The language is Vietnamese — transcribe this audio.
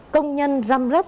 công nhân răm rấp